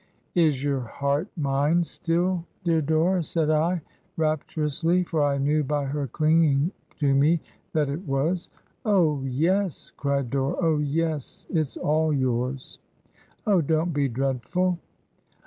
... 'Is your heart mine still, dear Dora?' said I, rapturously, for I knew by her cUnging to me that it was. Oh, yes!' cried Dora. 'Oh, yes, it's all yours. Oh, don't be dreadful!'